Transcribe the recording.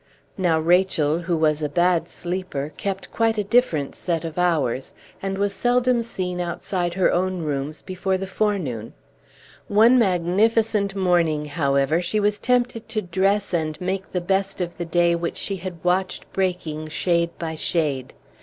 Now Rachel, who was a bad sleeper, kept quite a different set of hours, and was seldom seen outside her own rooms before the forenoon. One magnificent morning, however, she was tempted to dress and make the best of the day which she had watched breaking shade by shade.